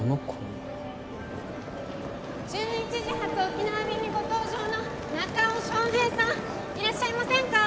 沖縄便にご搭乗の中尾翔平さんいらっしゃいませんか？